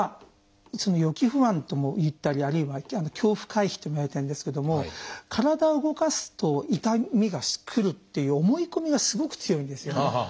「予期不安」ともいったりあるいは「恐怖回避」ともいわれてるんですけども体を動かすと痛みがくるっていう思い込みがすごく強いんですよね。